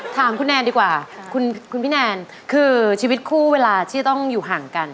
ถามคุณแนนดีกว่าคุณพี่แนนคือชีวิตคู่เวลาที่จะต้องอยู่ห่างกัน